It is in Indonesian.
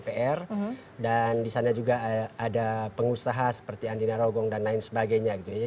seperti partai di dpr dan disana juga ada pengusaha seperti andina rogong dan lain sebagainya gitu ya